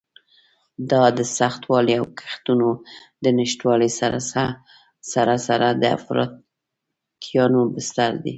دا د سختوالي او کښتونو د نشتوالي سره سره د افراطیانو بستر دی.